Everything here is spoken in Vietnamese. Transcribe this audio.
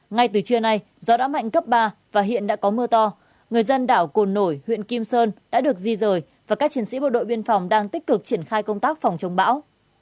ngay từ trưa nay gió đã mạnh cấp ba và hiện đã có mưa to người dân đảo cồn nổi huyện kim sơn đã được di rời và các chiến sĩ bộ đội biên phòng đang tích cực triển khai công tác phòng chống bão